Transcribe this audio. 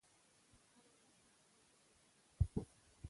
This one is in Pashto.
موږ هره ورځ ځواکمن خواړه خورو.